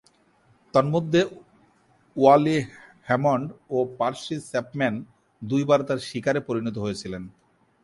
তন্মধ্যে, Wally Hammond ও Percy Chapman দুইবার তার শিকারে পরিণত হয়েছিলেন।